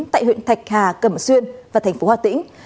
tại huyện thạch hà cẩm xuyên và thành phố hà tĩnh